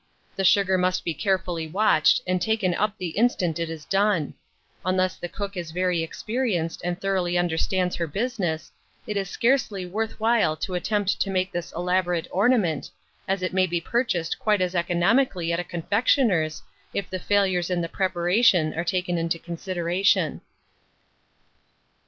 The sugar must be carefully watched, and taken up the instant it is done. Unless the cook is very experienced and thoroughly understands her business, it is scarcely worth while to attempt to make this elaborate ornament, as it may be purchased quite as economically at a confectioner's, if the failures in the preparation are taken into consideration.